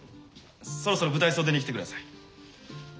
そろそろ舞台袖に来てください。